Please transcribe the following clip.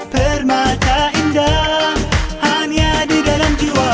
permata indah hanya di dalam jiwa